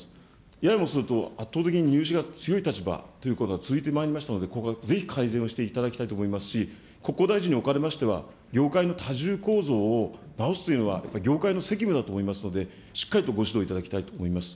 ややもすると、圧倒的に荷主が強い立場というのが続いてまいりましたので、ここはぜひ改善をしていただきたいと思いますし、国交大臣に置かれましては、業界の多重構造を直すというのはやっぱり業界の責務だと思いますので、しっかりとご指導いただきたいと思います。